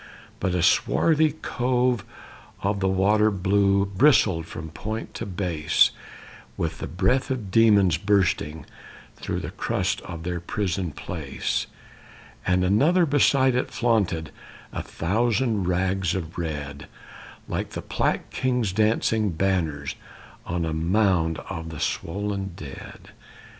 But a swarthy cove by the water Blue bristled from point to base, With the breath of demons, bursting Through the crust of their prison place; And another beside it flaunted A thousand rags of red, Like the Plague King's dancing banners On a mound of the swollen dead.